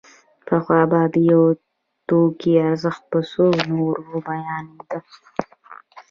پخوا به د یو توکي ارزښت په څو نورو بیانېده